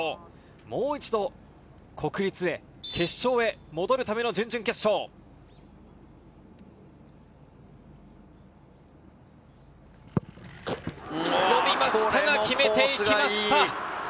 もう一度、国立へ、決勝へ戻るための準々決勝。読みましたが、決めていきました！